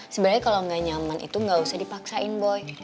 sebenernya kalo gak nyaman itu gak usah dipaksain boy